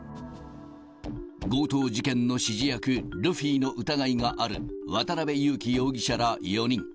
強盗事件の指示役、ルフィの疑いがある渡辺優樹容疑者ら４人。